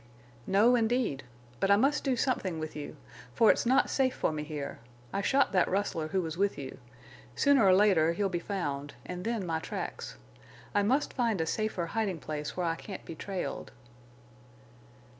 "No, indeed. But I must do something with you. For it's not safe for me here. I shot that rustler who was with you. Sooner or later he'll be found, and then my tracks. I must find a safer hiding place where I can't be trailed."